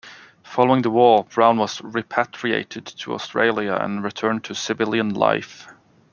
Following the war, Brown was repatriated to Australia and returned to civilian life.